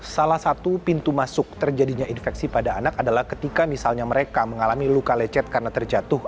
salah satu pintu masuk terjadinya infeksi pada anak adalah ketika misalnya mereka mengalami luka lecet karena terjatuh